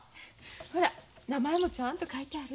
ほら名前もちゃんと書いてある。